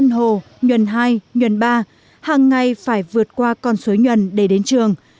nhuần ba hằng ngày phải vượt qua con suối nhuần để đến trường